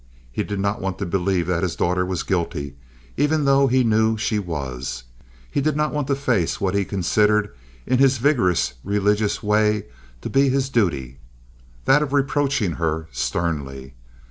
He did not want to believe that his daughter was guilty, even though he knew she was. He did not want to face what he considered in his vigorous, religious way to be his duty, that of reproaching her sternly.